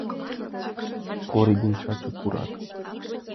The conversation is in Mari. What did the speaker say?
Кори ден Чачу пурат.